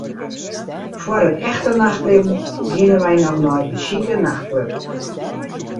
Foar it echte nachtlibben geane wy noch nei in sjike nachtklup.